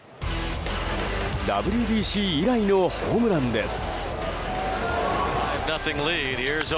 ＷＢＣ以来のホームランです。